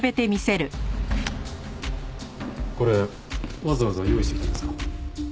これわざわざ用意してきたんですか？